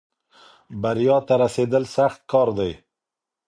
بریا ته رسېدل سخت کار دی.